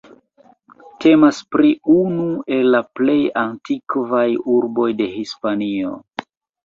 Temas pri unu el la plej antikvaj urboj de Hispanio.